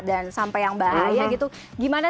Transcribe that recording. dan sampai yang bahaya gitu gimana